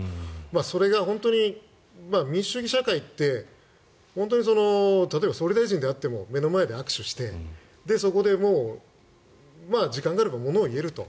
それが本当に民主主義社会って例えば、総理大臣であっても目の前で握手して、そこで時間があればものを言えると。